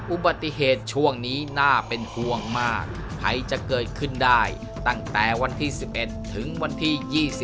อุบัติเหตุช่วงนี้น่าเป็นห่วงมากภัยจะเกิดขึ้นได้ตั้งแต่วันที่๑๑ถึงวันที่๒๔